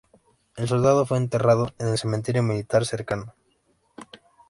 El soldado fue enterrado en el cementerio militar cercano.